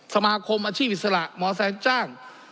สมาคมอาชีพวิศาละหมอแซมจ้าง